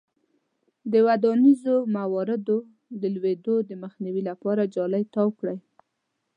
د ودانیزو موادو د لویدو مخنیوي لپاره جالۍ تاو کړئ.